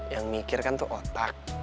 yang mikir kan tuh otak